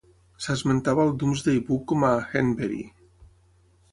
S'esmentava al Domesday Book com a "Henberie".